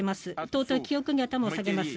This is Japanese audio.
尊い記憶に頭を下げます。